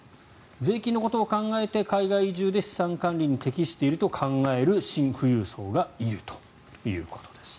税金のことを考えて海外移住で資産管理に適していると考えるシン富裕層がいるということです。